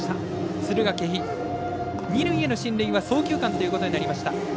敦賀気比、二塁への進塁は送球間ということになりました。